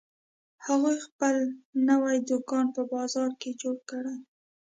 هغوی خپل نوی دوکان په بازار کې جوړ کړی